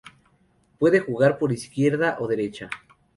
Puede jugar por izquierda o derecha.